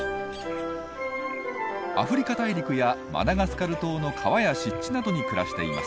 アフリカ大陸やマダガスカル島の川や湿地などに暮らしています。